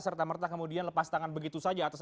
serta merta kemudian lepas tangan begitu saja